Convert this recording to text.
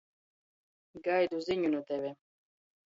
Gaidu ziņu nu teve.